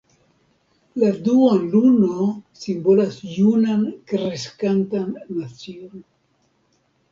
La duonluno simbolas junan kreskantan nacion.